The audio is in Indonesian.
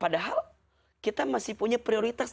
padahal kita masih punya prioritas